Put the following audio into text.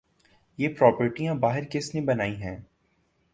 یہ پراپرٹیاں باہر کس نے بنائی ہیں؟